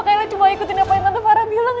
kaila cuma ikutin apa yang manta farah bilang